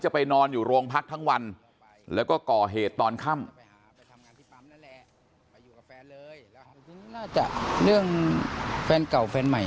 ไปนอนอยู่โรงพักทั้งวันแล้วก็ก่อเหตุตอนค่ำ